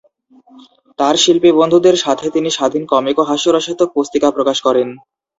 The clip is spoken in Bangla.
তাঁর শিল্পী বন্ধুদের সাথে তিনি স্বাধীন কমিক ও হাস্যরসাত্মক পুস্তিকা প্রকাশ করেন।